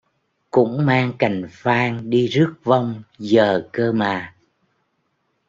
cũng mang cành phan đi rước vong giờ cơ mà